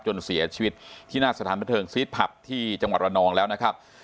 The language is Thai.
จนเสียชีวิตที่หน้าสถานพระเทิงศรีษภัพร์ที่จังหวัดวันนองแล้วนะครับ